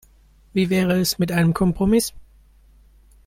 Wie wäre es mit einem Kompromiss?